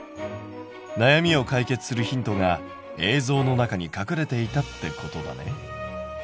悩みを解決するヒントが映像の中に隠れていたってことだね。